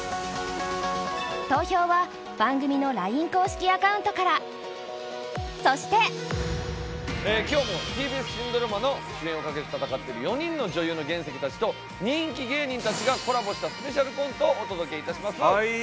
投票は番組のＬＩＮＥ公式アカウントからそしてえ今日もＴＢＳ新ドラマの主演をかけて戦っている４人の女優の原石たちと人気芸人たちがコラボしたをお届けいたします